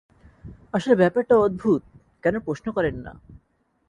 আসলে ব্যাপারটা অদ্ভুত, কেন প্রশ্ন করেননা?